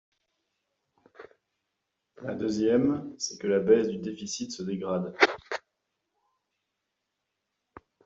La deuxième, c’est que la baisse du déficit se dégrade.